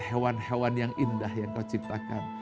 hewan hewan yang indah yang kau ciptakan